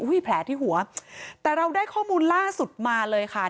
แผลที่หัวแต่เราได้ข้อมูลล่าสุดมาเลยค่ะ